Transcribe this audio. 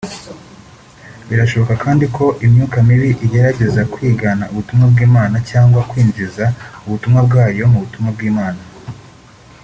Birashoboka kandi ko imyuka mibi igerageza kwigana ubutumwa bw’Imana cyangwa kwinjiza ubutumwa bwayo mu butumwa bw’Imana